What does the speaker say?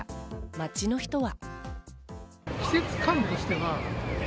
街の人は。